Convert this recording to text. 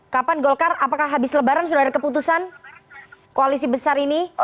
kapan golkar apakah habis lebaran sudah ada keputusan koalisi besar ini